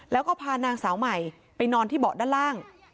แล้วก็พานางสาวใหม่ไปนอนที่เบาะด้านล่าง